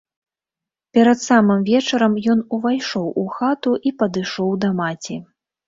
Перад самым вечарам ён увайшоў у хату і падышоў да маці.